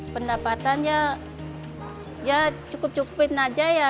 pendapatannya cukup cukupin aja ya